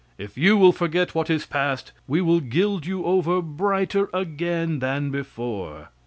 If you will forget what is past, we will gild you over brighter again than before.